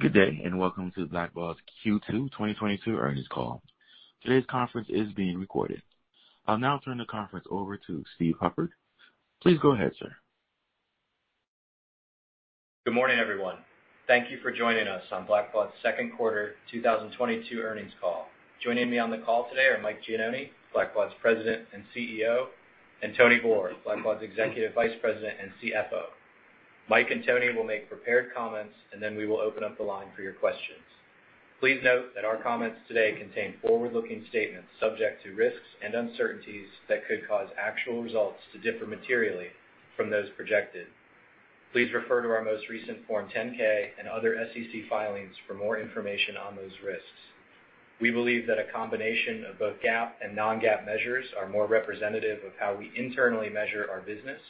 Good day, and welcome to Blackbaud's Q2 2022 earnings call. Today's conference is being recorded. I'll now turn the conference over to Steve Hufford. Please go ahead, sir. Good morning, everyone. Thank you for joining us on Blackbaud's second quarter 2022 earnings call. Joining me on the call today are Mike Gianoni, Blackbaud's President and CEO, and Tony Boor, Blackbaud's Executive Vice President and CFO. Mike and Tony will make prepared comments, and then we will open up the line for your questions. Please note that our comments today contain forward-looking statements subject to risks and uncertainties that could cause actual results to differ materially from those projected. Please refer to our most recent Form 10-K and other SEC filings for more information on those risks. We believe that a combination of both GAAP and non-GAAP measures are more representative of how we internally measure our business.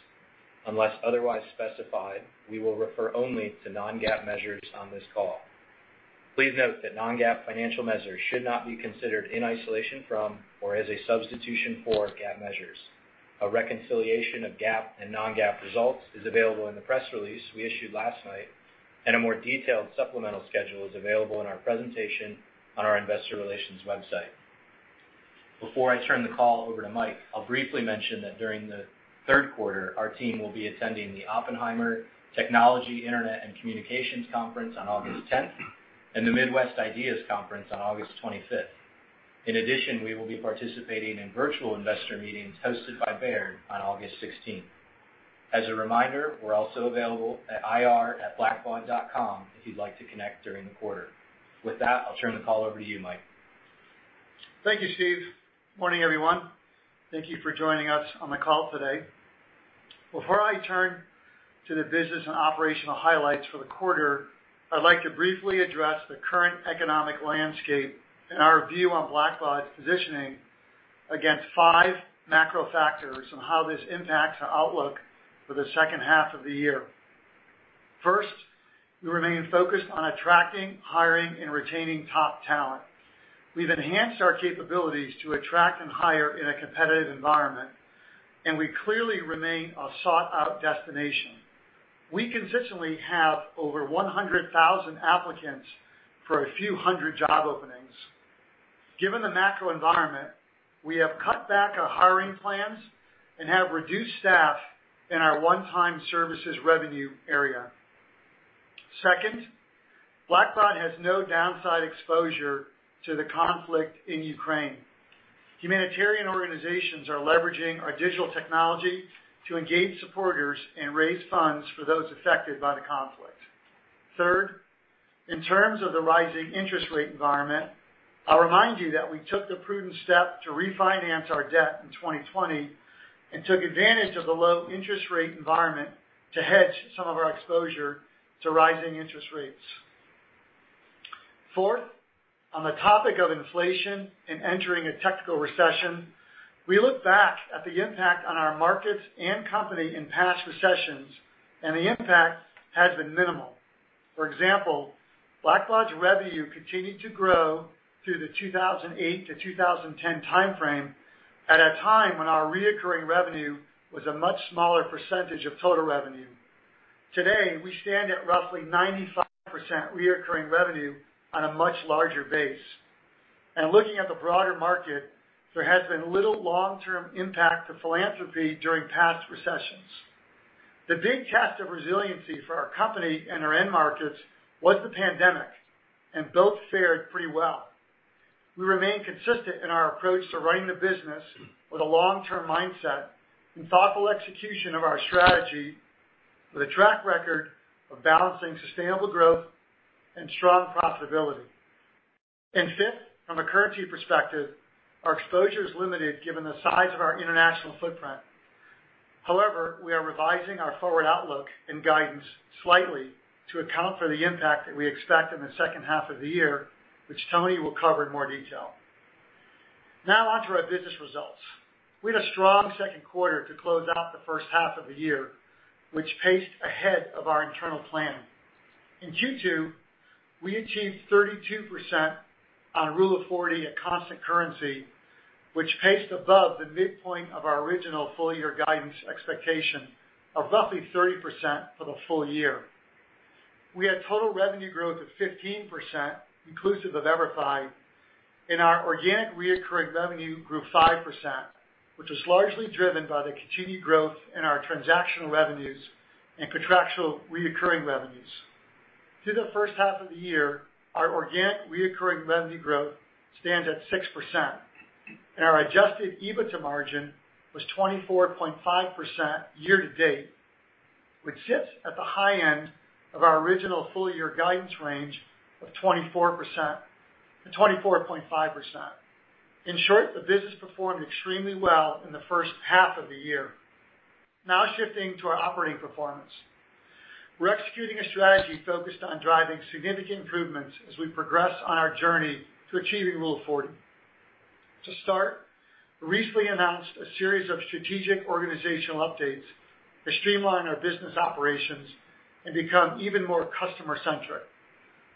Unless otherwise specified, we will refer only to non-GAAP measures on this call. Please note that non-GAAP financial measures should not be considered in isolation from or as a substitution for GAAP measures. A reconciliation of GAAP and non-GAAP results is available in the press release we issued last night, and a more detailed supplemental schedule is available in our presentation on our investor relations website. Before I turn the call over to Mike, I'll briefly mention that during the third quarter, our team will be attending the Oppenheimer Technology, Internet & Communications Conference on August 10th and the Midwest IDEAS Investor Conference on August 25th. In addition, we will be participating in virtual investor meetings hosted by Baird on August 16th. As a reminder, we're also available at ir@blackbaud.com if you'd like to connect during the quarter. With that, I'll turn the call over to you, Mike. Thank you, Steve. Morning, everyone. Thank you for joining us on the call today. Before I turn to the business and operational highlights for the quarter, I'd like to briefly address the current economic landscape and our view on Blackbaud's positioning against five macro factors and how this impacts our outlook for the second half of the year. First, we remain focused on attracting, hiring, and retaining top talent. We've enhanced our capabilities to attract and hire in a competitive environment, and we clearly remain a sought-out destination. We consistently have over 100,000 applicants for a few hundred job openings. Given the macro environment, we have cut back our hiring plans and have reduced staff in our one-time services revenue area. Second, Blackbaud has no downside exposure to the conflict in Ukraine. Humanitarian organizations are leveraging our digital technology to engage supporters and raise funds for those affected by the conflict. Third, in terms of the rising interest rate environment, I'll remind you that we took the prudent step to refinance our debt in 2020 and took advantage of the low interest rate environment to hedge some of our exposure to rising interest rates. Fourth, on the topic of inflation and entering a technical recession, we look back at the impact on our markets and company in past recessions, and the impact has been minimal. For example, Blackbaud's revenue continued to grow through the 2008-2010 timeframe at a time when our recurring revenue was a much smaller percentage of total revenue. Today, we stand at roughly 95% recurring revenue on a much larger base. Looking at the broader market, there has been little long-term impact to philanthropy during past recessions. The big test of resiliency for our company and our end markets was the pandemic, and both fared pretty well. We remain consistent in our approach to running the business with a long-term mindset and thoughtful execution of our strategy with a track record of balancing sustainable growth and strong profitability. Fifth, from a currency perspective, our exposure is limited given the size of our international footprint. However, we are revising our forward outlook and guidance slightly to account for the impact that we expect in the second half of the year, which Tony will cover in more detail. Now onto our business results. We had a strong second quarter to close out the first half of the year, which paced ahead of our internal plan. In Q2, we achieved 32% on Rule of 40 at constant currency, which paced above the midpoint of our original full-year guidance expectation of roughly 30% for the full year. We had total revenue growth of 15% inclusive of EVERFI, and our organic recurring revenue grew 5%, which was largely driven by the continued growth in our transactional revenues and contractual recurring revenues. Through the first half of the year, our organic recurring revenue growth stands at 6%, and our Adjusted EBITDA margin was 24.5% year to date, which sits at the high end of our original full-year guidance range of 24%-24.5%. In short, the business performed extremely well in the first half of the year. Now shifting to our operating performance. We're executing a strategy focused on driving significant improvements as we progress on our journey to achieving Rule of 40. To start, we recently announced a series of strategic organizational updates to streamline our business operations and become even more customer-centric.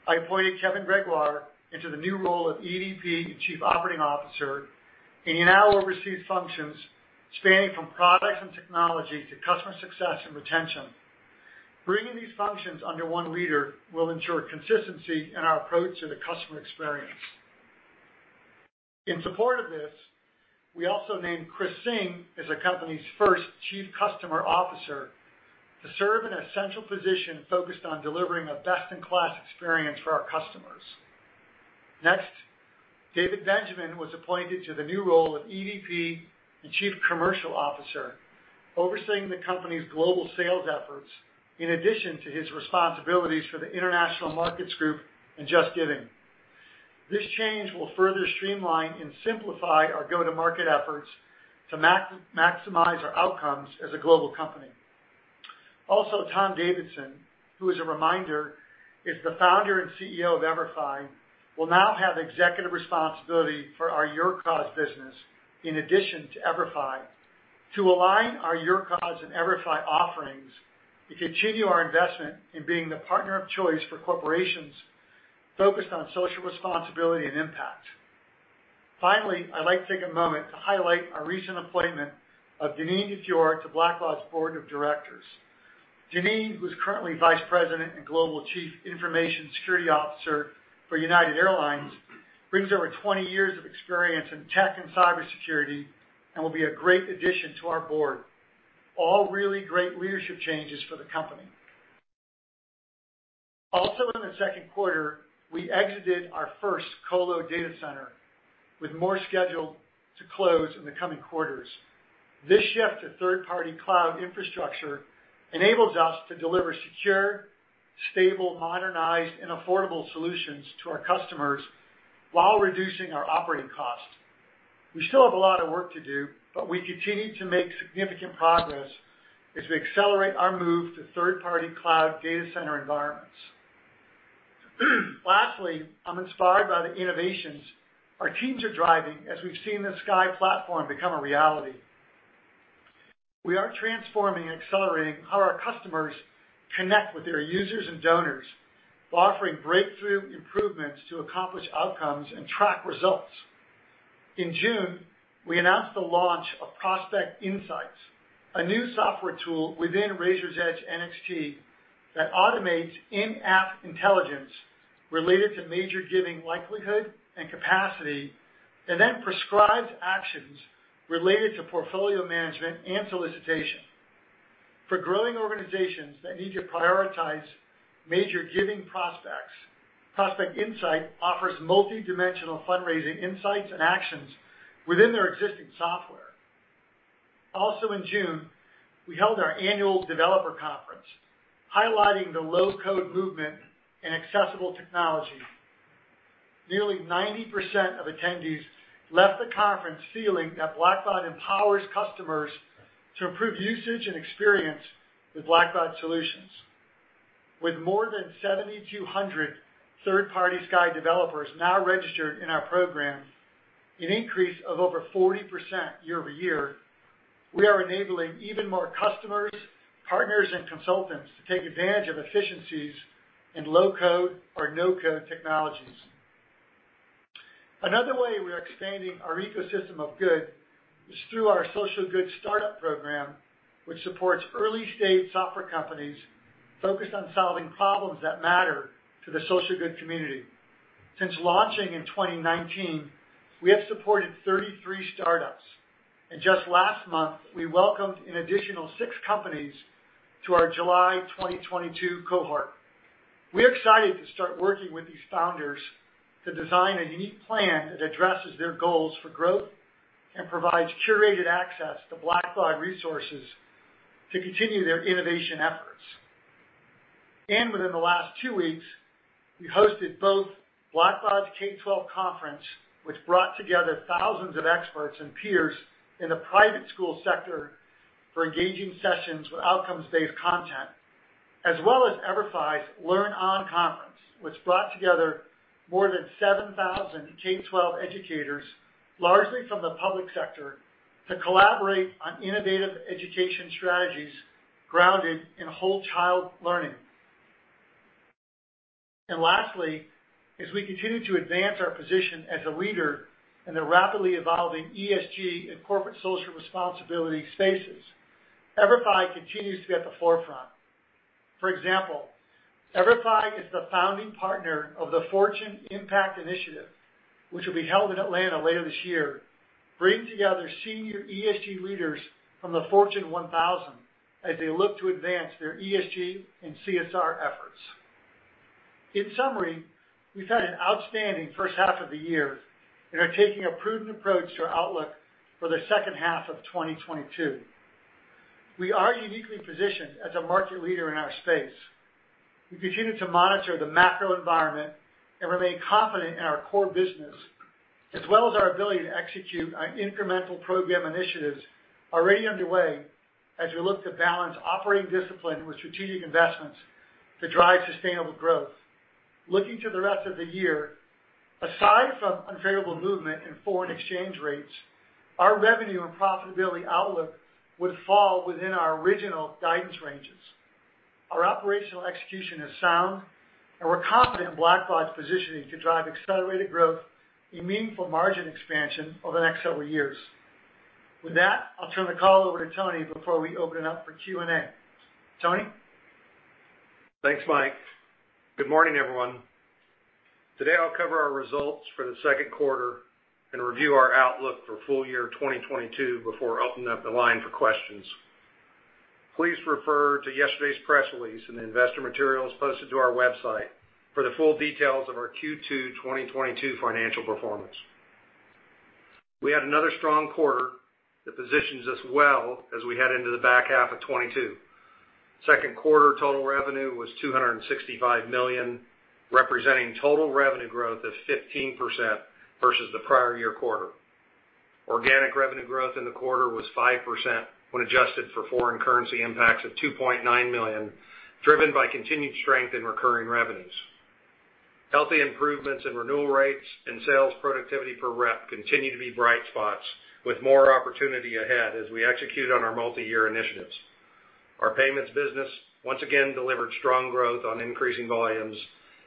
I appointed Kevin Gregoire into the new role of EVP and Chief Operating Officer, and he now oversees functions spanning from products and technology to customer success and retention. Bringing these functions under one leader will ensure consistency in our approach to the customer experience. In support of this, we also named Chris Singh as the company's first Chief Customer Officer to serve in a central position focused on delivering a best-in-class experience for our customers. Next, David Benjamin was appointed to the new role of EVP and Chief Commercial Officer, overseeing the company's global sales efforts, in addition to his responsibilities for the International Markets Group and JustGiving. This change will further streamline and simplify our go-to-market efforts to maximize our outcomes as a global company. Tom Davidson, who as a reminder, is the founder and CEO of EVERFI, will now have executive responsibility for our YourCause business, in addition to EVERFI, to align our YourCause and EVERFI offerings to continue our investment in being the partner of choice for corporations focused on social responsibility and impact. Finally, I'd like to take a moment to highlight our recent appointment of Deneen DeFiore to Blackbaud's board of directors. Deneen, who's currently Vice President and Global Chief Information Security Officer for United Airlines, brings over 20 years of experience in tech and cybersecurity and will be a great addition to our board. All really great leadership changes for the company. Also, in the second quarter, we exited our first colo data center, with more scheduled to close in the coming quarters. This shift to third-party cloud infrastructure enables us to deliver secure, stable, modernized, and affordable solutions to our customers while reducing our operating costs. We still have a lot of work to do, but we continue to make significant progress as we accelerate our move to third-party cloud data center environments. Lastly, I'm inspired by the innovations our teams are driving as we've seen the SKY platform become a reality. We are transforming and accelerating how our customers connect with their users and donors while offering breakthrough improvements to accomplish outcomes and track results. In June, we announced the launch of Prospect Insights, a new software tool within Raiser's Edge NXT that automates in-app intelligence related to major giving likelihood and capacity, and then prescribes actions related to portfolio management and solicitation. For growing organizations that need to prioritize major giving prospects, Prospect Insights offers multidimensional fundraising insights and actions within their existing software. Also in June, we held our annual developer conference, highlighting the low-code movement in accessible technology. Nearly 90% of attendees left the conference feeling that Blackbaud empowers customers to improve usage and experience with Blackbaud solutions. With more than 7,200 third-party SKY developers now registered in our program, an increase of over 40% year-over-year, we are enabling even more customers, partners, and consultants to take advantage of efficiencies in low-code or no-code technologies. Another way we are expanding our ecosystem of good is through our Social Good Startup Program, which supports early-stage software companies focused on solving problems that matter to the social good community. Since launching in 2019, we have supported 33 startups, and just last month, we welcomed an additional six companies to our July 2022 cohort. We're excited to start working with these founders to design a unique plan that addresses their goals for growth and provides curated access to Blackbaud resources to continue their innovation efforts. Within the last two weeks, we hosted both Blackbaud's K-12 conference, which brought together thousands of experts and peers in the private school sector for engaging sessions with outcomes-based content, as well as EVERFI's LearnOn conference, which brought together more than 7,000 K-12 educators, largely from the public sector, to collaborate on innovative education strategies grounded in whole child learning. Lastly, as we continue to advance our position as a leader in the rapidly evolving ESG and corporate social responsibility spaces, EVERFI continues to be at the forefront. For example, EVERFI is the founding partner of the Fortune Impact Initiative, which will be held in Atlanta later this year, bringing together senior ESG leaders from the Fortune 1000 as they look to advance their ESG and CSR efforts. In summary, we've had an outstanding first half of the year and are taking a prudent approach to our outlook for the second half of 2022. We are uniquely positioned as a market leader in our space. We continue to monitor the macro environment and remain confident in our core business, as well as our ability to execute on incremental program initiatives already underway as we look to balance operating discipline with strategic investments to drive sustainable growth. Looking to the rest of the year. Aside from unfavorable movement in foreign exchange rates, our revenue and profitability outlook would fall within our original guidance ranges. Our operational execution is sound, and we're confident in Blackbaud's positioning to drive accelerated growth and meaningful margin expansion over the next several years. With that, I'll turn the call over to Tony before we open it up for Q&A. Tony? Thanks, Mike. Good morning, everyone. Today, I'll cover our results for the second quarter and review our outlook for full year 2022 before opening up the line for questions. Please refer to yesterday's press release and the investor materials posted to our website for the full details of our Q2 2022 financial performance. We had another strong quarter that positions us well as we head into the back half of 2022. Second quarter total revenue was $265 million, representing total revenue growth of 15% versus the prior year quarter. Organic revenue growth in the quarter was 5% when adjusted for foreign currency impacts of $2.9 million, driven by continued strength in recurring revenues. Healthy improvements in renewal rates and sales productivity per rep continue to be bright spots, with more opportunity ahead as we execute on our multi-year initiatives. Our payments business once again delivered strong growth on increasing volumes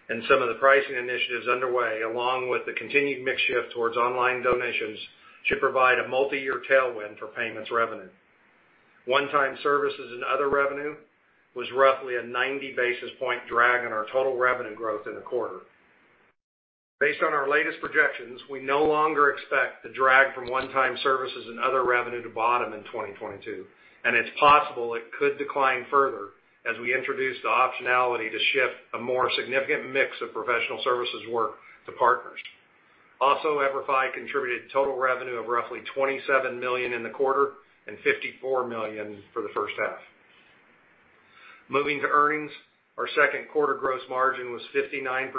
and some of the pricing initiatives underway, along with the continued mix shift towards online donations, should provide a multi-year tailwind for payments revenue. One-time services and other revenue was roughly a 90 basis point drag on our total revenue growth in the quarter. Based on our latest projections, we no longer expect the drag from one-time services and other revenue to bottom in 2022, and it's possible it could decline further as we introduce the optionality to shift a more significant mix of professional services work to partners. Also, EVERFI contributed total revenue of roughly $27 million in the quarter and $54 million for the first half. Moving to earnings, our second quarter gross margin was 59%.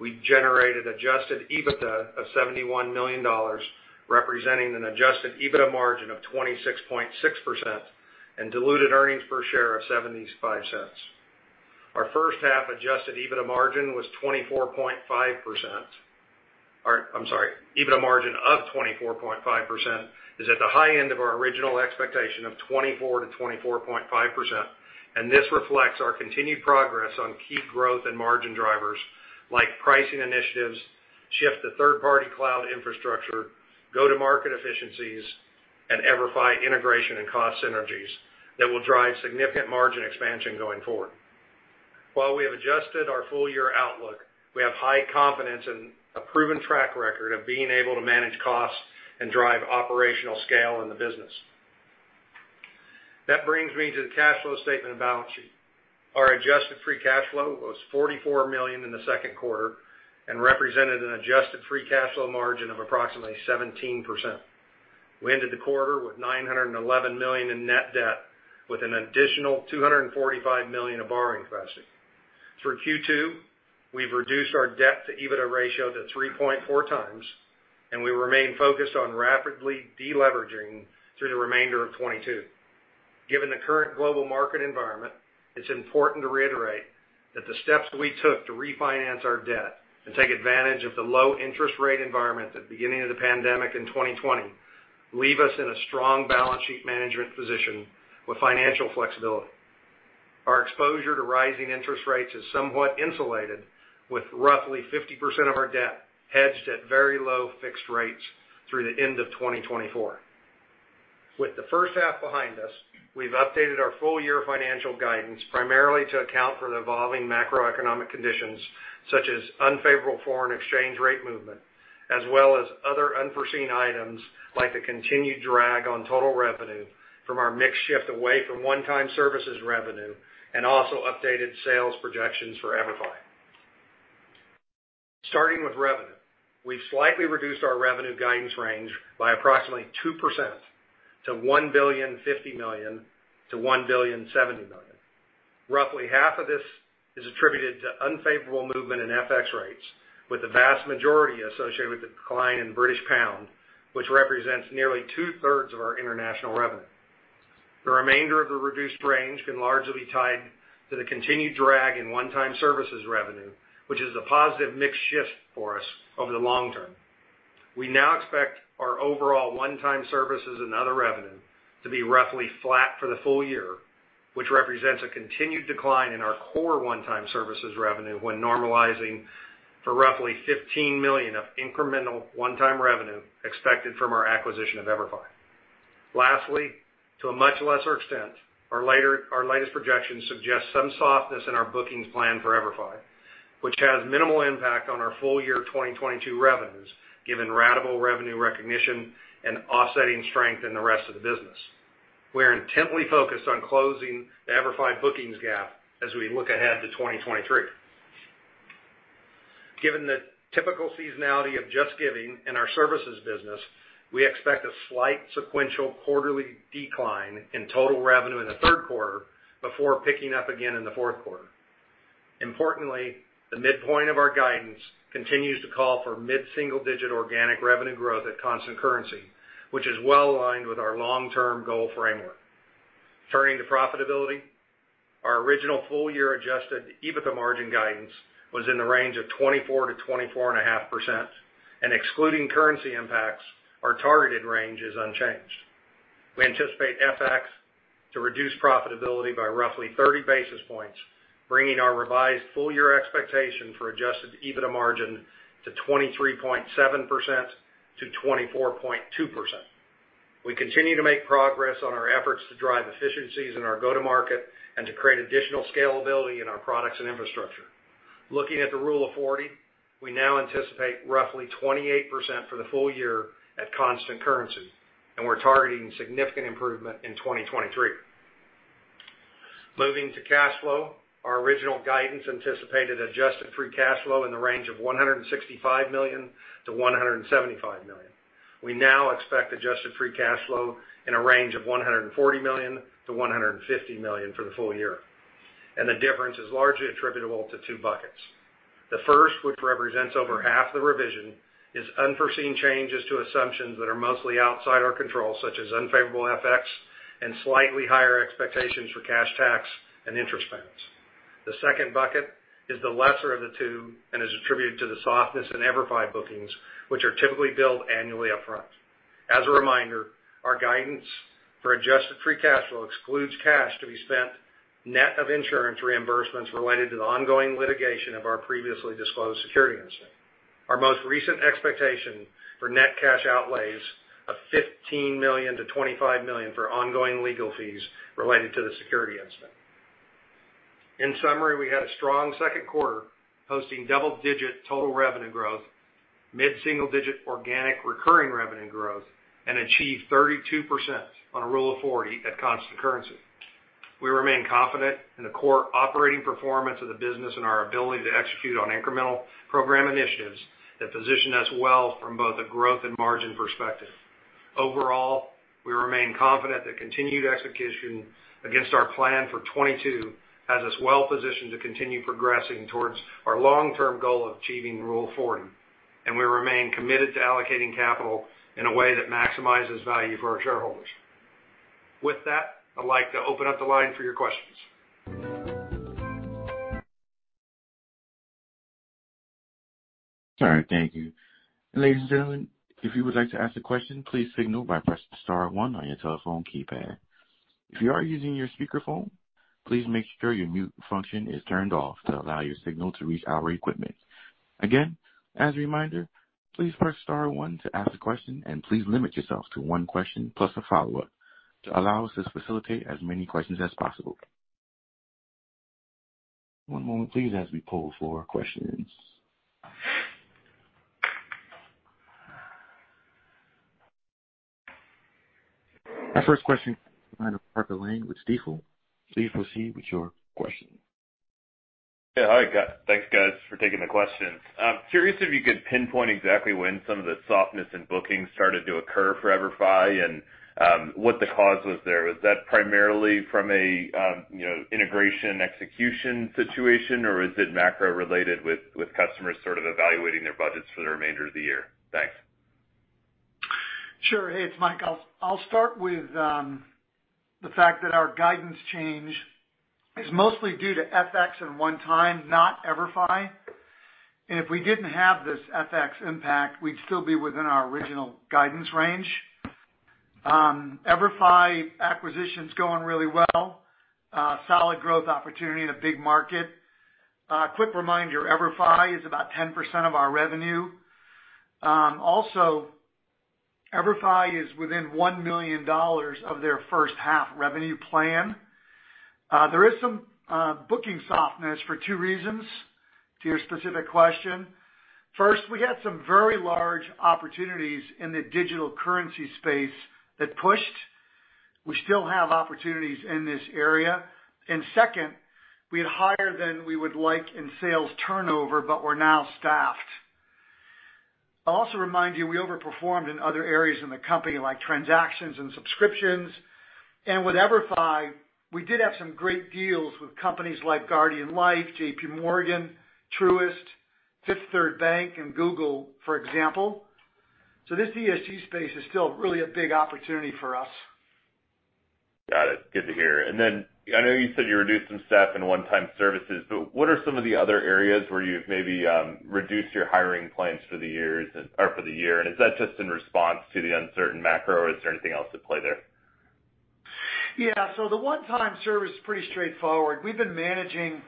We generated Adjusted EBITDA of $71 million, representing an Adjusted EBITDA margin of 26.6% and diluted earnings per share of $0.75. Our first half Adjusted EBITDA margin was 24.5%. EBITDA margin of 24.5% is at the high end of our original expectation of 24%-24.5%, and this reflects our continued progress on key growth and margin drivers like pricing initiatives, shift to third-party cloud infrastructure, go-to-market efficiencies, and EVERFI integration and cost synergies that will drive significant margin expansion going forward. While we have adjusted our full year outlook, we have high confidence in a proven track record of being able to manage costs and drive operational scale in the business. That brings me to the cash flow statement and balance sheet. Our Adjusted Free Cash Flow was $44 million in the second quarter and represented an Adjusted Free Cash Flow margin of approximately 17%. We ended the quarter with $911 million in net debt with an additional $245 million of borrowing capacity. For Q2, we've reduced our debt-to-EBITDA ratio to 3.4x, and we remain focused on rapidly deleveraging through the remainder of 2022. Given the current global market environment, it's important to reiterate that the steps we took to refinance our debt and take advantage of the low interest rate environment at the beginning of the pandemic in 2020 leave us in a strong balance sheet management position with financial flexibility. Our exposure to rising interest rates is somewhat insulated, with roughly 50% of our debt hedged at very low fixed rates through the end of 2024. With the first half behind us, we've updated our full year financial guidance primarily to account for the evolving macroeconomic conditions, such as unfavorable foreign exchange rate movement, as well as other unforeseen items like the continued drag on total revenue from our mix shift away from one-time services revenue, and also updated sales projections for EVERFI. Starting with revenue, we've slightly reduced our revenue guidance range by approximately 2% to $1.05 billion-$1.07 billion. Roughly half of this is attributed to unfavorable movement in FX rates, with the vast majority associated with the decline in British pound, which represents nearly two-thirds of our international revenue. The remainder of the reduced range can largely be tied to the continued drag in one-time services revenue, which is a positive mix shift for us over the long term. We now expect our overall one-time services and other revenue to be roughly flat for the full year, which represents a continued decline in our core one-time services revenue when normalizing for roughly $15 million of incremental one-time revenue expected from our acquisition of EVERFI. Lastly, to a much lesser extent, our latest projections suggest some softness in our bookings plan for EVERFI, which has minimal impact on our full year 2022 revenues, given ratable revenue recognition and offsetting strength in the rest of the business. We are intently focused on closing the EVERFI bookings gap as we look ahead to 2023. Given the typical seasonality of JustGiving and our services business, we expect a slight sequential quarterly decline in total revenue in the third quarter before picking up again in the fourth quarter. Importantly, the midpoint of our guidance continues to call for mid-single-digit organic revenue growth at constant currency, which is well aligned with our long-term goal framework. Turning to profitability. Our original full-year Adjusted EBITDA margin guidance was in the range of 24%-24.5%, and excluding currency impacts, our targeted range is unchanged. We anticipate FX to reduce profitability by roughly 30 basis points, bringing our revised full-year expectation for Adjusted EBITDA margin to 23.7%-24.2%. We continue to make progress on our efforts to drive efficiencies in our go-to-market and to create additional scalability in our products and infrastructure. Looking at the Rule of 40, we now anticipate roughly 28% for the full year at constant currency, and we're targeting significant improvement in 2023. Moving to cash flow. Our original guidance anticipated Adjusted Free Cash Flow in the range of $165 million-$175 million. We now expect Adjusted Free Cash Flow in a range of $140 million-$150 million for the full year, and the difference is largely attributable to two buckets. The first, which represents over half the revision, is unforeseen changes to assumptions that are mostly outside our control, such as unfavorable FX and slightly higher expectations for cash tax and interest payments. The second bucket is the lesser of the two and is attributed to the softness in EVERFI bookings, which are typically billed annually upfront. As a reminder, our guidance for Adjusted Free Cash Flow excludes cash to be spent net of insurance reimbursements related to the ongoing litigation of our previously disclosed security incident. Our most recent expectation for net cash outlays of $15 million-$25 million for ongoing legal fees related to the security incident. In summary, we had a strong second quarter, posting double-digit total revenue growth, mid-single digit organic recurring revenue growth, and achieved 32% on a Rule of 40 at constant currency. We remain confident in the core operating performance of the business and our ability to execute on incremental program initiatives that position us well from both a growth and margin perspective. Overall, we remain confident that continued execution against our plan for 2022 has us well positioned to continue progressing towards our long-term goal of achieving Rule of 40, and we remain committed to allocating capital in a way that maximizes value for our shareholders. With that, I'd like to open up the line for your questions. All right, thank you. Ladies and gentlemen, if you would like to ask a question, please signal by pressing star one on your telephone keypad. If you are using your speakerphone, please make sure your mute function is turned off to allow your signal to reach our equipment. Again, as a reminder, please press star one to ask a question, and please limit yourself to one question plus a follow-up to allow us to facilitate as many questions as possible. One moment please, as we poll for questions. Our first question, line of Parker Lane with Stifel. Please proceed with your question. Hi, guys. Thanks, guys, for taking the questions. Curious if you could pinpoint exactly when some of the softness in bookings started to occur for EVERFI and what the cause was there. Was that primarily from a you know, integration execution situation, or is it macro related with customers sort of evaluating their budgets for the remainder of the year? Thanks. Sure. Hey, it's Mike. I'll start with the fact that our guidance change is mostly due to FX and one-time, not EVERFI. If we didn't have this FX impact, we'd still be within our original guidance range. EVERFI acquisition's going really well. Solid growth opportunity in a big market. Quick reminder, EVERFI is about 10% of our revenue. Also, EVERFI is within $1 million of their first half revenue plan. There is some booking softness for two reasons to your specific question. First, we had some very large opportunities in the digital currency space that pushed. We still have opportunities in this area. Second, we had higher than we would like in sales turnover, but we're now staffed. I'll also remind you, we overperformed in other areas in the company like transactions and subscriptions. With EVERFI, we did have some great deals with companies like Guardian Life, JPMorgan, Truist, Fifth Third Bank, and Google, for example. This ESG space is still really a big opportunity for us. Got it. Good to hear. I know you said you reduced some staff in one-time services, but what are some of the other areas where you've maybe reduced your hiring plans for the years or for the year? Is that just in response to the uncertain macro, or is there anything else at play there? Yeah. The one-time service is pretty straightforward. We've been managing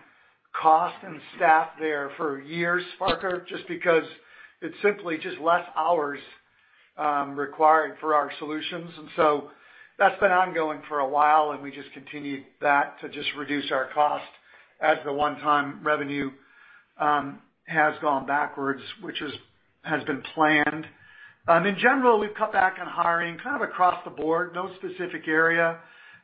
cost and staff there for years, Parker, just because it's simply just less hours required for our solutions. That's been ongoing for a while, and we just continued that to just reduce our cost as the one-time revenue has gone backwards, which has been planned. In general, we've cut back on hiring kind of across the board. No specific area.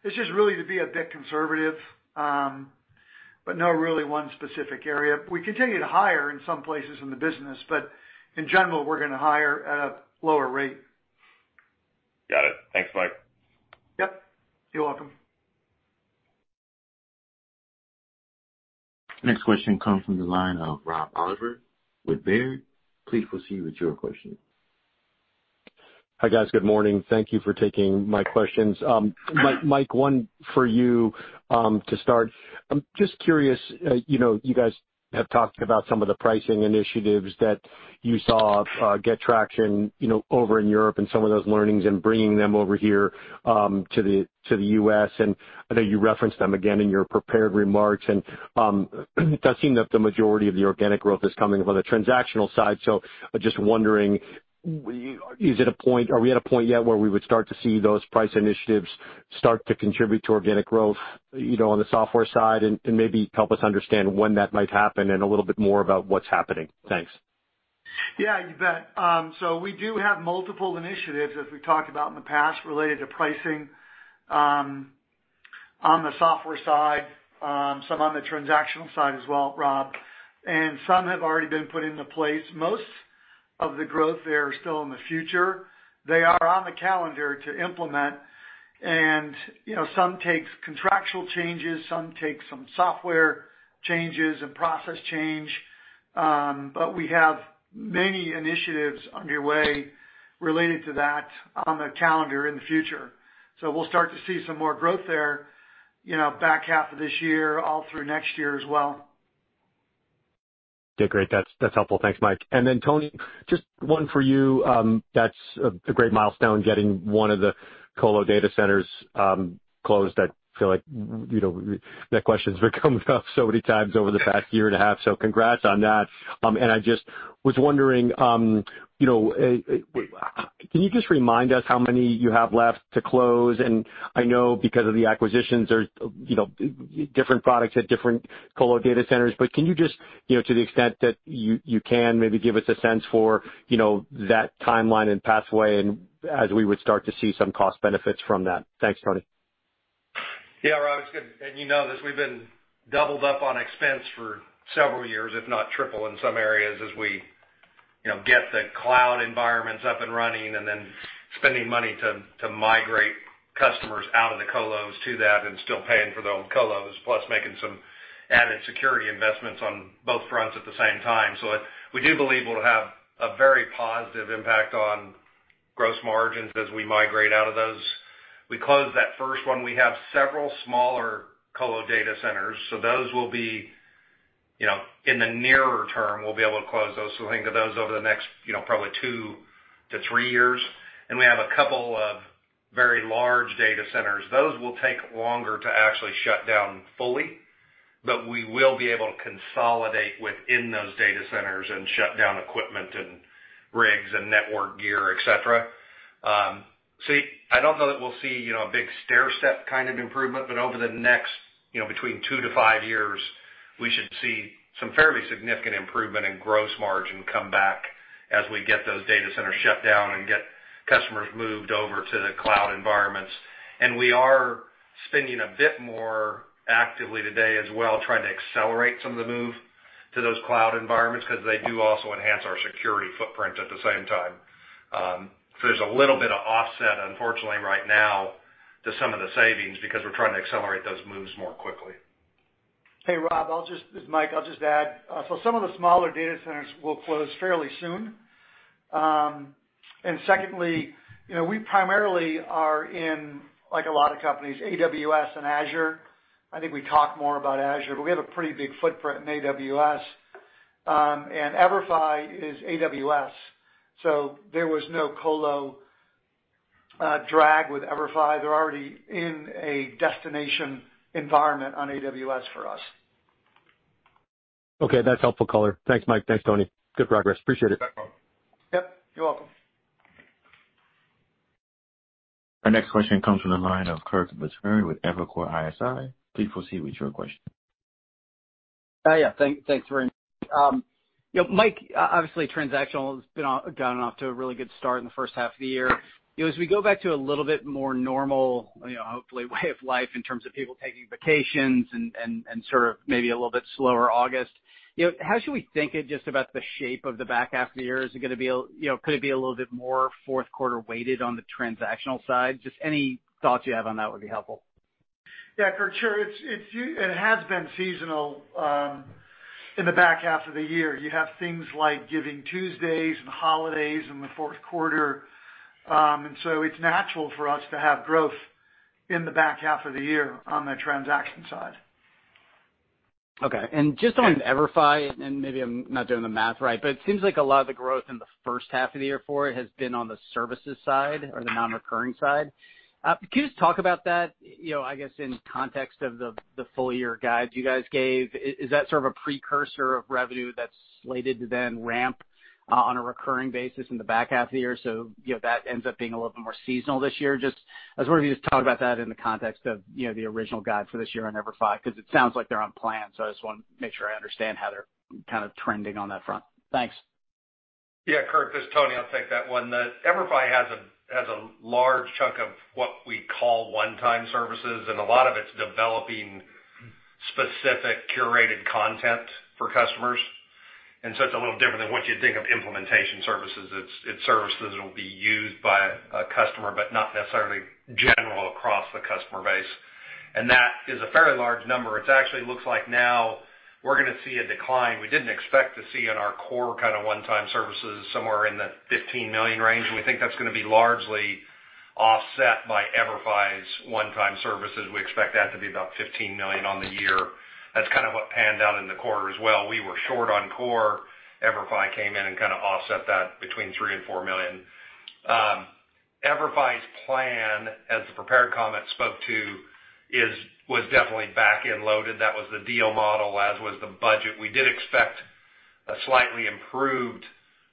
It's just really to be a bit conservative. No really one specific area. We continue to hire in some places in the business, but in general, we're gonna hire at a lower rate. Got it. Thanks, Mike. Yep, you're welcome. Next question comes from the line of Rob Oliver with Baird. Please proceed with your question. Hi, guys. Good morning. Thank you for taking my questions. Mike, one for you, to start. I'm just curious, you know, you guys have talked about some of the pricing initiatives that you saw get traction, you know, over in Europe and some of those learnings and bringing them over here, to the U.S., and I know you referenced them again in your prepared remarks. It does seem that the majority of the organic growth is coming from the transactional side. Just wondering, are we at a point yet where we would start to see those price initiatives start to contribute to organic growth, you know, on the software side? Maybe help us understand when that might happen and a little bit more about what's happening. Thanks. Yeah, you bet. We do have multiple initiatives, as we talked about in the past, related to pricing, on the software side, some on the transactional side as well, Rob, and some have already been put into place. Most of the growth there are still in the future. They are on the calendar to implement and, you know, some takes contractual changes, some take some software changes and process change. We have many initiatives underway related to that on the calendar in the future. We'll start to see some more growth there, you know, back half of this year, all through next year as well. Yeah, great. That's helpful. Thanks, Mike. Tony, just one for you. That's a great milestone, getting one of the colo data centers closed. I feel like, you know, that question's been coming up so many times over the past year and a half, so congrats on that. I just was wondering, you know, can you just remind us how many you have left to close? I know because of the acquisitions, there's, you know, different products at different colo data centers, but can you just, you know, to the extent that you can, maybe give us a sense for, you know, that timeline and pathway and as we would start to see some cost benefits from that. Thanks, Tony. Yeah, Rob, it's good. You know this, we've been doubled up on expense for several years, if not triple in some areas, as we, you know, get the cloud environments up and running and then spending money to migrate customers out of the colos to that and still paying for the old colos, plus making some added security investments on both fronts at the same time. So we do believe it'll have a very positive impact on gross margins as we migrate out of those. We closed that first one. We have several smaller colo data centers, so those will be, you know, in the nearer term, we'll be able to close those. So I think of those over the next, you know, probably two to three years. We have a couple of very large data centers. Those will take longer to actually shut down fully, but we will be able to consolidate within those data centers and shut down equipment and rigs and network gear, et cetera. I don't know that we'll see, you know, a big stairstep kind of improvement, but over the next, you know, between two to five years, we should see some fairly significant improvement in gross margin come back as we get those data centers shut down and get customers moved over to the cloud environments. We are spending a bit more actively today as well, trying to accelerate some of the move to those cloud environments because they do also enhance our security footprint at the same time. There's a little bit of offset, unfortunately right now, to some of the savings because we're trying to accelerate those moves more quickly. Hey, Rob, this is Mike. I'll just add. Some of the smaller data centers will close fairly soon. Secondly, you know, we primarily are in, like a lot of companies, AWS and Azure. I think we talk more about Azure, but we have a pretty big footprint in AWS. EVERFI is AWS, so there was no colo drag with EVERFI. They're already in a destination environment on AWS for us. Okay, that's helpful color. Thanks, Mike. Thanks, Tony. Good progress. Appreciate it. Yep, you're welcome. Our next question comes from the line of Kirk Materne with Evercore ISI. Please proceed with your question. Yeah, thanks for bringing me. You know, Mike, obviously transactional has gotten off to a really good start in the first half of the year. You know, as we go back to a little bit more normal, you know, hopefully way of life in terms of people taking vacations and sort of maybe a little bit slower August, you know, how should we think just about the shape of the back half of the year? Is it gonna be a little bit more fourth quarter weighted on the transactional side? Just any thoughts you have on that would be helpful. Yeah, Kurt, sure. It has been seasonal in the back half of the year. You have things like GivingTuesday and holidays in the fourth quarter. It's natural for us to have growth in the back half of the year on the transaction side. Okay. Just on EVERFI, maybe I'm not doing the math right, but it seems like a lot of the growth in the first half of the year for it has been on the services side or the non-recurring side. Could you just talk about that, you know, I guess, in context of the full year guides you guys gave? Is that sort of a precursor of revenue that's slated to then ramp on a recurring basis in the back half of the year, so, you know, that ends up being a little bit more seasonal this year? Just, I was wondering if you could talk about that in the context of, you know, the original guide for this year on EVERFI, because it sounds like they're on plan, so I just wanna make sure I understand how they're kind of trending on that front. Thanks. Yeah, Kirk, this is Tony Boor. I'll take that one. EVERFI has a large chunk of what we call one-time services, and a lot of it's developing specific curated content for customers. It's a little different than what you think of implementation services. It's services that will be used by a customer, but not necessarily general across the customer base. That is a fairly large number. It actually looks like now we're gonna see a decline we didn't expect to see in our core kind of one-time services, somewhere in the $15 million range. We think that's gonna be largely offset by EVERFI's one-time services. We expect that to be about $15 million on the year. That's kind of what panned out in the quarter as well. We were short on core. EVERFI came in and kinda offset that between $3 million and $4 million. EVERFI's plan, as the prepared comment spoke to, was definitely back-end loaded. That was the deal model, as was the budget. We did expect a slightly improved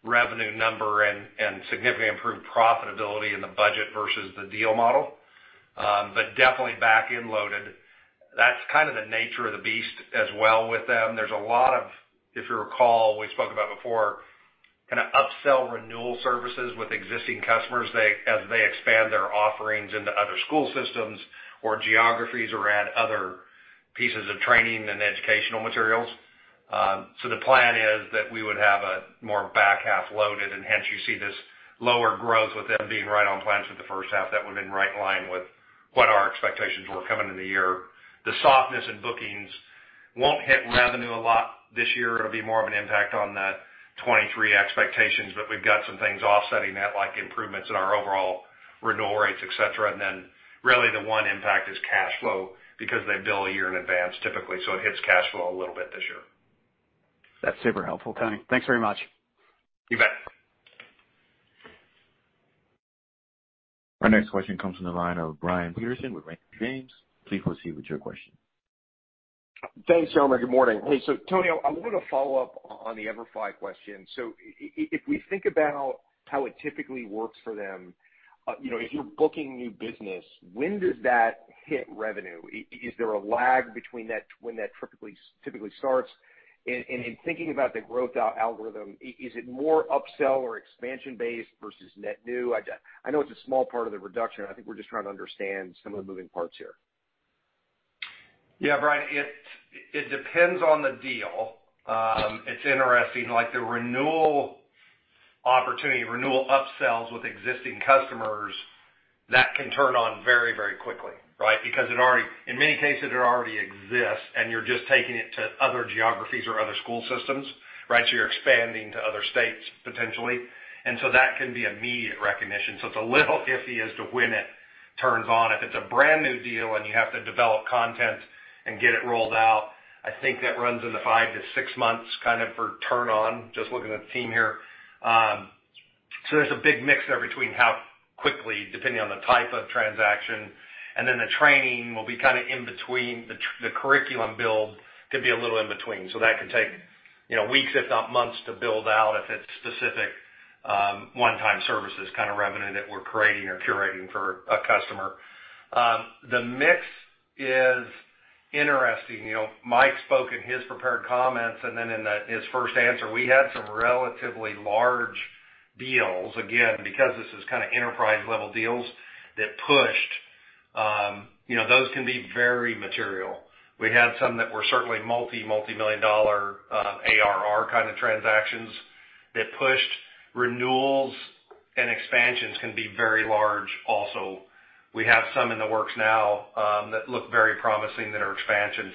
revenue number and significantly improved profitability in the budget versus the deal model. But definitely back-end loaded. That's kind of the nature of the beast as well with them. There's a lot of. If you recall, we spoke about before kinda upsell renewal services with existing customers. As they expand their offerings into other school systems or geographies or add other pieces of training and educational materials. The plan is that we would have a more back-half loaded and hence you see this lower growth with them being right on plans with the first half. That would have been right in line with what our expectations were coming into the year. The softness in bookings won't hit revenue a lot this year. It'll be more of an impact on the 2023 expectations, but we've got some things offsetting that, like improvements in our overall renewal rates, et cetera. Really the one impact is cash flow because they bill a year in advance typically, so it hits cash flow a little bit this year. That's super helpful, Tony. Thanks very much. You bet. Our next question comes from the line of Brian Peterson with Raymond James. Please proceed with your question. Thanks, Omar. Good morning. Hey, Tony, I wanted to follow up on the EVERFI question. If we think about how it typically works for them, if you're booking new business, when does that hit revenue? Is there a lag between that, when that typically starts? In thinking about the growth algorithm, is it more upsell or expansion based versus net new? I know it's a small part of the reduction. I think we're just trying to understand some of the moving parts here. Yeah, Brian, it depends on the deal. It's interesting, like the renewal opportunity, renewal upsells with existing customers, that can turn on very, very quickly, right? Because in many cases, it already exists, and you're just taking it to other geographies or other school systems, right? You're expanding to other states potentially. That can be immediate recognition. It's a little iffy as to when it turns on. If it's a brand-new deal and you have to develop content and get it rolled out, I think that runs in the five to six months kind of for turn on, just looking at the team here. There's a big mix there between how quickly, depending on the type of transaction, and then the training will be kinda in between. The curriculum build could be a little in between. That can take, you know, weeks, if not months, to build out if it's specific, one-time services kinda revenue that we're creating or curating for a customer. The mix is interesting. You know, Mike spoke in his prepared comments, and then in his first answer. We had some relatively large deals, again, because this is kinda enterprise-level deals that pushed, you know, those can be very material. We had some that were certainly multi-million dollar ARR kind of transactions that pushed. Renewals and expansions can be very large also. We have some in the works now, that look very promising that are expansion.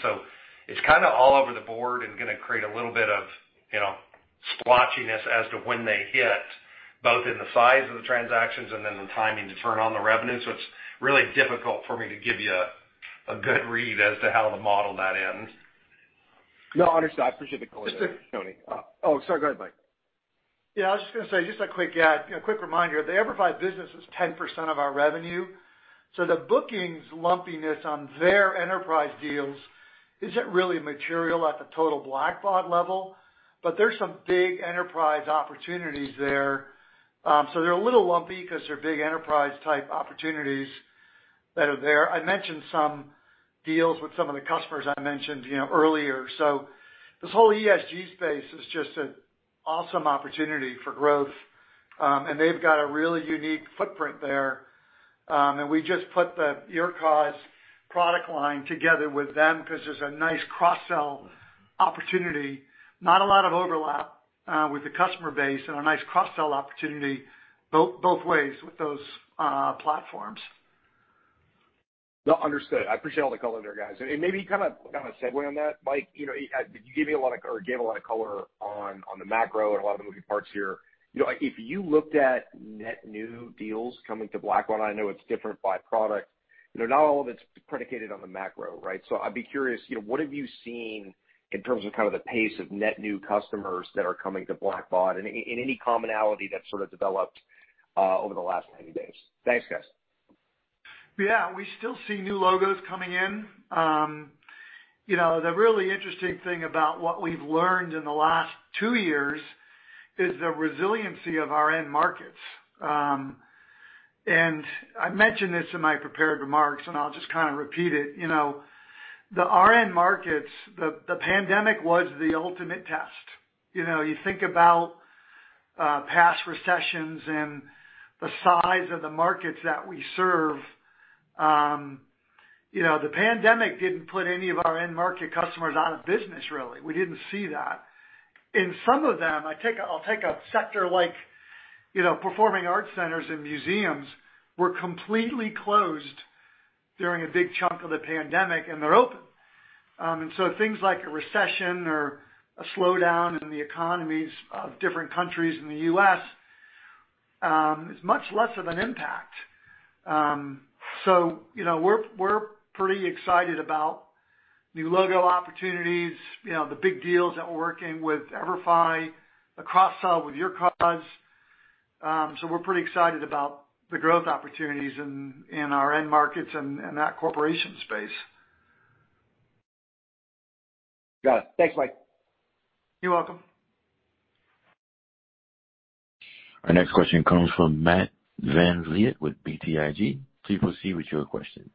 It's kinda all over the board and gonna create a little bit of, you know, splotchiness as to when they hit, both in the size of the transactions and then the timing to turn on the revenue. It's really difficult for me to give you a good read as to how to model that in. No, understood. I appreciate the color there. Just to- Tony. Oh, sorry. Go ahead, Mike. Yeah, I was just gonna say, just a quick add, you know, quick reminder, the EVERFI business is 10% of our revenue. The bookings lumpiness on their enterprise deals isn't really material at the total Blackbaud level, but there's some big enterprise opportunities there. They're a little lumpy 'cause they're big enterprise-type opportunities that are there. I mentioned some deals with some of the customers I mentioned, you know, earlier. This whole ESG space is just an awesome opportunity for growth, and they've got a really unique footprint there. We just put the YourCause product line together with them 'cause there's a nice cross-sell opportunity. Not a lot of overlap with the customer base and a nice cross-sell opportunity both ways with those platforms. No, understood. I appreciate all the color there, guys. Maybe kinda a segue on that, Mike, you know, gave a lot of color on the macro and a lot of the moving parts here. You know, if you looked at net new deals coming to Blackbaud, I know it's different by product. You know, not all of it's predicated on the macro, right? I'd be curious, you know, what have you seen in terms of kind of the pace of net new customers that are coming to Blackbaud? Any commonality that's sort of developed over the last 90 days? Thanks, guys. Yeah, we still see new logos coming in. You know, the really interesting thing about what we've learned in the last two years is the resiliency of our end markets. I mentioned this in my prepared remarks, and I'll just kinda repeat it. You know, the end markets, the pandemic was the ultimate test. You know, you think about past recessions and the size of the markets that we serve, you know, the pandemic didn't put any of our end market customers out of business, really. We didn't see that. In some of them, I'll take a sector like, you know, performing arts centers and museums were completely closed during a big chunk of the pandemic, and they're open. Things like a recession or a slowdown in the economies of different countries in the U.S. is much less of an impact. You know, we're pretty excited about new logo opportunities, you know, the big deals that we're working with EVERFI, the cross-sell with YourCause. We're pretty excited about the growth opportunities in our end markets and that corporate space. Got it. Thanks, Mike. You're welcome. Our next question comes from Matt VanVliet with BTIG. Please proceed with your question.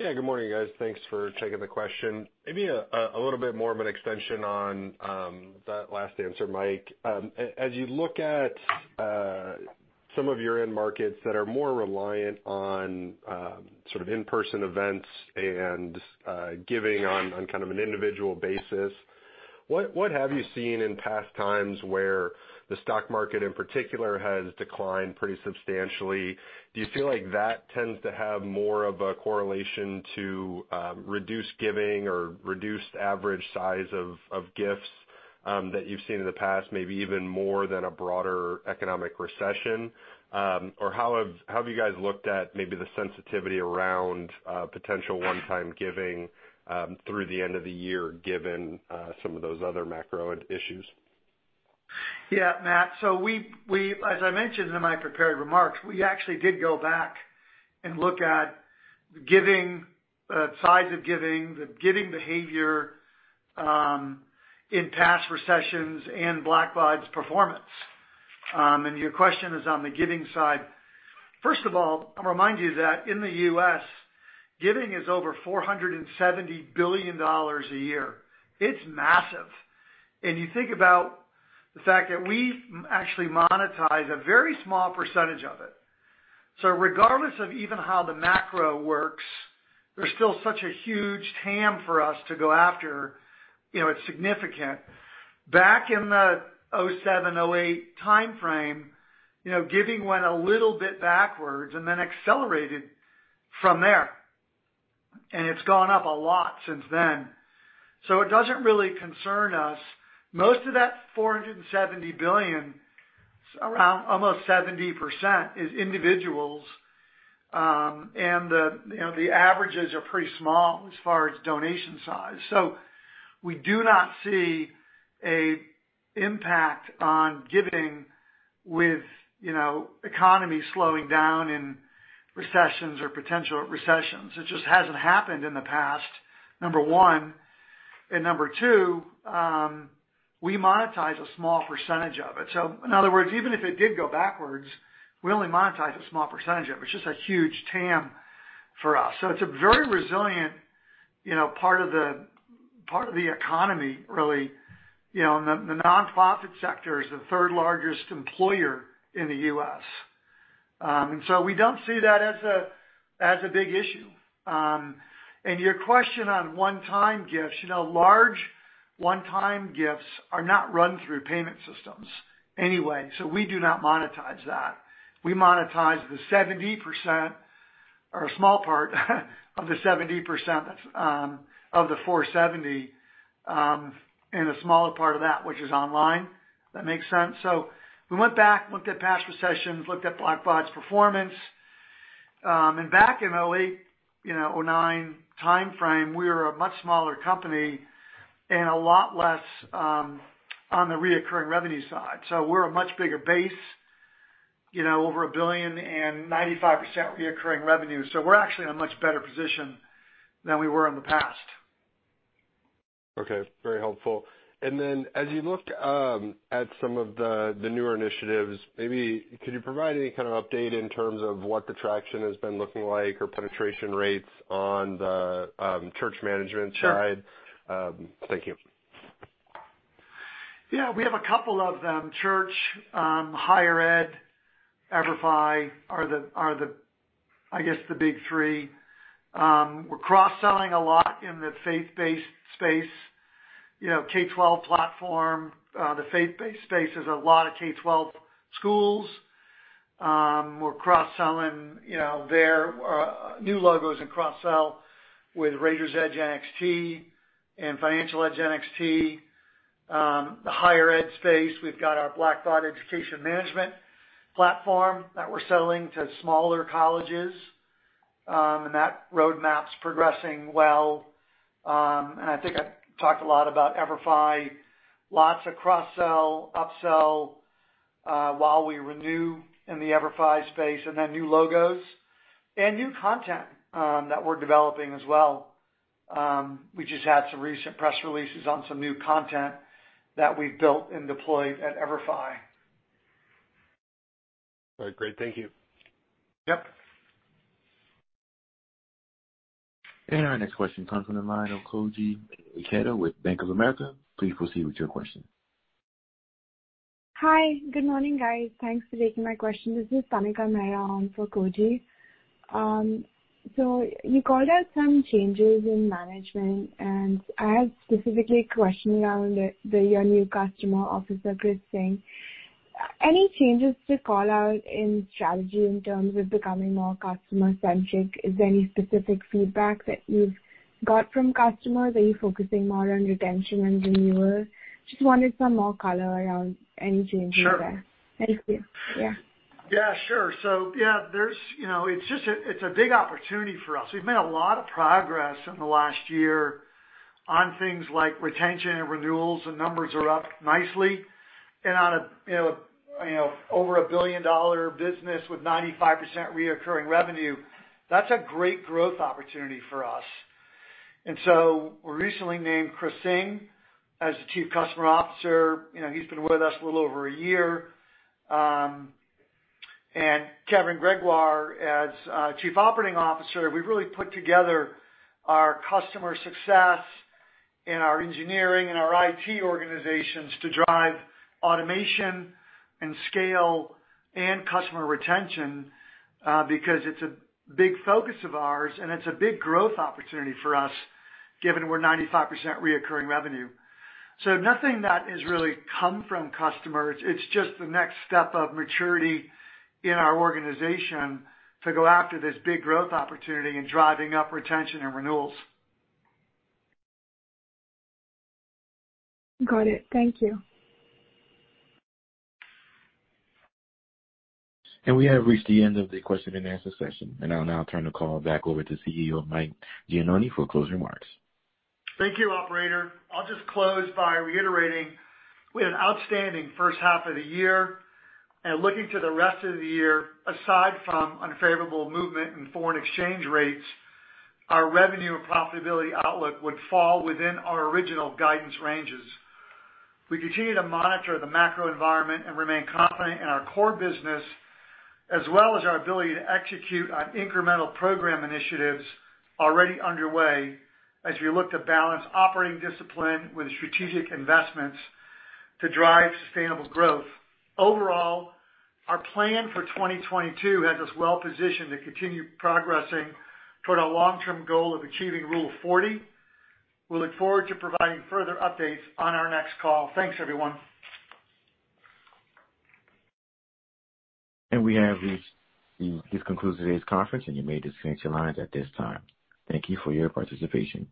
Yeah, good morning, guys. Thanks for taking the question. Maybe a little bit more of an extension on that last answer, Mike. As you look at some of your end markets that are more reliant on sort of in-person events and giving on kind of an individual basis, what have you seen in past times where the stock market, in particular, has declined pretty substantially? Do you feel like that tends to have more of a correlation to reduced giving or reduced average size of gifts that you've seen in the past, maybe even more than a broader economic recession? Or how have you guys looked at maybe the sensitivity around potential one-time giving through the end of the year, given some of those other macro issues? Yeah, Matt. We as I mentioned in my prepared remarks, we actually did go back and look at giving, size of giving, the giving behavior in past recessions and Blackbaud's performance. Your question is on the giving side. First of all, I'll remind you that in the U.S., giving is over $470 billion a year. It's massive. You think about the fact that we actually monetize a very small percentage of it. Regardless of even how the macro works, there's still such a huge TAM for us to go after, you know, it's significant. Back in the 2007, 2008 timeframe, you know, giving went a little bit backwards and then accelerated from there, and it's gone up a lot since then. It doesn't really concern us. Most of that $470 billion, around almost 70% is individuals, and the, you know, the averages are pretty small as far as donation size. We do not see an impact on giving with, you know, economy slowing down in recessions or potential recessions. It just hasn't happened in the past, number one. Number two, we monetize a small percentage of it. In other words, even if it did go backwards, we only monetize a small percentage of it. It's just a huge TAM for us. It's a very resilient, you know, part of the economy, really. You know, the nonprofit sector is the third-largest employer in the U.S. We don't see that as a big issue. Your question on one-time gifts, you know, large one-time gifts are not run through payment systems anyway, so we do not monetize that. We monetize the 70% or a small part of the 70% that's of the 470, and a smaller part of that which is online. That makes sense? We went back, looked at past recessions, looked at Blackbaud's performance. Back in 2008, you know, 2009 timeframe, we were a much smaller company and a lot less on the recurring revenue side. We're a much bigger base, you know, over $1 billion and 95% recurring revenue. We're actually in a much better position than we were in the past. Okay. Very helpful. As you looked at some of the newer initiatives, maybe could you provide any kind of update in terms of what the traction has been looking like or penetration rates on the church management side? Sure. Thank you. Yeah, we have a couple of them. Church, higher ed, EVERFI are the, I guess, the big three. We're cross-selling a lot in the faith-based space. You know, K-12 platform, the faith-based space, there's a lot of K-12 schools. We're cross-selling, you know, their new logos and cross-sell with Raiser's Edge NXT and Financial Edge NXT. The higher ed space, we've got our Blackbaud Education Management platform that we're selling to smaller colleges, and that roadmap's progressing well. I think I talked a lot about EVERFI, lots of cross-sell, upsell, while we renew in the EVERFI space, and then new logos and new content, that we're developing as well. We just had some recent press releases on some new content that we've built and deployed at EVERFI. All right, great. Thank you. Yep. Our next question comes from the line of Koji Ikeda with Bank of America. Please proceed with your question. Hi. Good morning, guys. Thanks for taking my question. This is Tanika Mehra on for Koji. You called out some changes in management, and I have specifically a question around your new customer officer, Chris Singh. Any changes to call out in strategy in terms of becoming more customer-centric? Is there any specific feedback that you've got from customers? Are you focusing more on retention and renewal? Just wanted some more color around any changes there. Sure. Thank you. Yeah. Yeah, sure. Yeah, there's you know it's just a big opportunity for us. We've made a lot of progress in the last year on things like retention and renewals. The numbers are up nicely and on a you know over a billion-dollar business with 95% recurring revenue. That's a great growth opportunity for us. We recently named Chris Singh as the Chief Customer Officer. You know he's been with us a little over a year and Kevin Gregoire as Chief Operating Officer. We've really put together our customer success and our engineering and our IT organizations to drive automation and scale and customer retention because it's a big focus of ours and it's a big growth opportunity for us given we're 95% recurring revenue. Nothing that has really come from customers. It's just the next step of maturity in our organization to go after this big growth opportunity in driving up retention and renewals. Got it. Thank you. We have reached the end of the question and answer session, and I'll now turn the call back over to CEO Mike Gianoni for closing remarks. Thank you, operator. I'll just close by reiterating we had an outstanding first half of the year. Looking to the rest of the year, aside from unfavorable movement in foreign exchange rates, our revenue and profitability outlook would fall within our original guidance ranges. We continue to monitor the macro environment and remain confident in our core business, as well as our ability to execute on incremental program initiatives already underway as we look to balance operating discipline with strategic investments to drive sustainable growth. Overall, our plan for 2022 has us well positioned to continue progressing toward our long-term goal of achieving Rule of 40. We look forward to providing further updates on our next call. Thanks, everyone. This concludes today's conference, and you may disconnect your lines at this time. Thank you for your participation.